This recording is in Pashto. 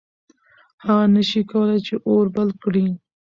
هغه نه شي کولی چې اور بل کړي.